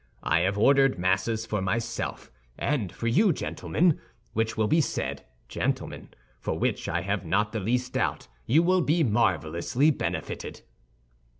I have ordered Masses for myself, and for you, gentlemen, which will be said, gentlemen, for which I have not the least doubt you will be marvelously benefited."